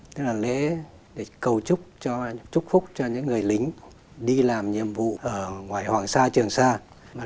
tức là lễ để cầu chúc cho trúc phúc cho những người lính đi làm nhiệm vụ ở ngoài hoàng sa trường sa